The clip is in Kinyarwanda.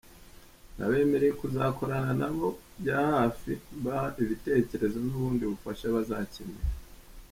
Nabemereye kuzakorana na bo bya hafi mba ibitekerezo n’ubundi bufasha bazakenera.